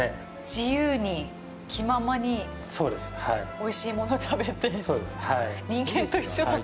自由に気ままにおいしいもの食べて人間と一緒だ。